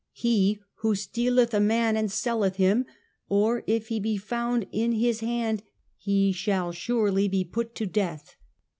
" He who stealeth a man and selleth him, or if he be found in his hand, he shall surely be put to death."